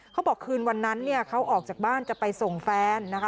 เขาบอกคืนวันนั้นเขาออกจากบ้านจะไปส่งแฟนนะคะ